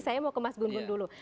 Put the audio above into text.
saya mau ke mas gungun dulu